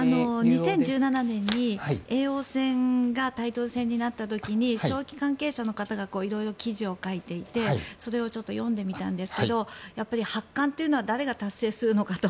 ２０１７年に叡王戦がタイトル戦になった時に将棋関係者の方が色々記事を書いていてそれを読んでみたんですけど八冠というのは誰が達成するのかと。